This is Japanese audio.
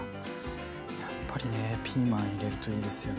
やっぱりねピーマン入れるといいですよね。